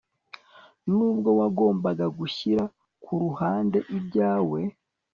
nubwo wagombaga gushyira ku ruhande ibyawe…